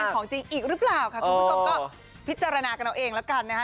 คุณผู้ชมก็พิจารณากันเอาเองละกันนะคะ